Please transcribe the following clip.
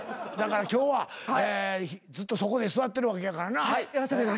今日はずっとそこに座ってるわけやからな。